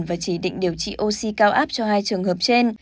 và chỉ định điều trị oxy cao áp cho hai trường hợp trên